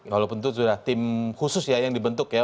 walaupun itu sudah tim khusus ya yang dibentuk ya